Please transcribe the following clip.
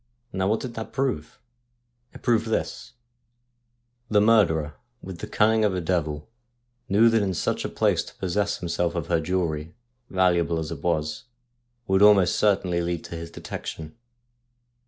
Now what did that prove ? It proved this : the murderer, with the cunning of a devil, knew that in such a place to possess himself of her jewellery, valuable as it was, would almost certainly lead to his detection.